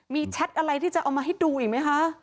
มีแชทอะไรที่จะเอามาให้ดูอีกไหมคะ